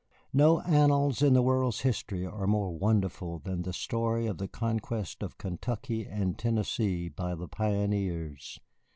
No annals in the world's history are more wonderful than the story of the conquest of Kentucky and Tennessee by the pioneers.